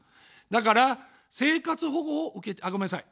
だから、生活保護を受け、あ、ごめんなさい。